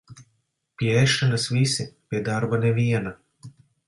Pie ēšanas visi, pie darba neviena.